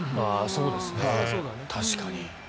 そうですね、確かに。